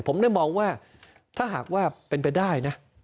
ผมได้มองว่าถ้าหากว่าเป็นไปได้นะ